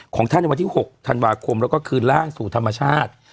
ของท่านในวันที่๖ธันวาคมแล้วก็คืนร่างสู่ธรรมชาติ